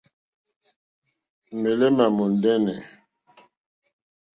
Méǃémà mòndɛ́nɛ̀.